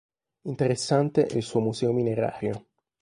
Interessante è il suo Museo Minerario.